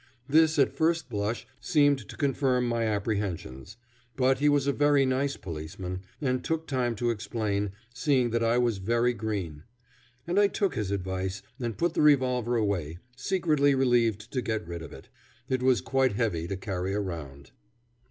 This, at first blush, seemed to confirm my apprehensions; but he was a very nice policeman, and took time to explain, seeing that I was very green. And I took his advice and put the revolver away, secretly relieved to get rid of it. It was quite heavy to carry around.